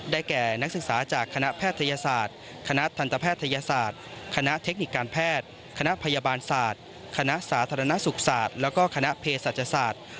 แก่นักศึกษาจากคณะแพทยศาสตร์คณะทันตแพทยศาสตร์คณะเทคนิคการแพทย์คณะพยาบาลศาสตร์คณะสาธารณสุขศาสตร์แล้วก็คณะเพศศาสตร์